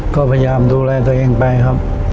ก็พยายามดูแลตัวเองไปครับ